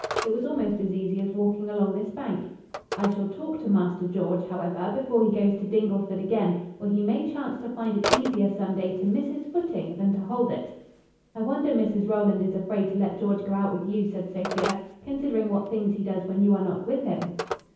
It was almost as easy as walking along this bank." "I shall talk to Master George, however, before he goes to Dingleford again, or he may chance to find it easier some day to miss his footing than to hold it." "I wonder Mrs Rowland is afraid to let George go out with you," said Sophia, "considering what things he does when you are not with him."